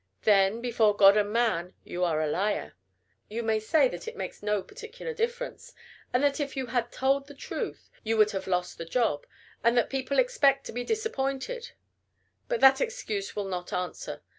Then, before God and man, you are a liar. You may say that it makes no particular difference, and that if you had told the truth you would have lost the job, and that people expect to be disappointed. But that excuse will not answer.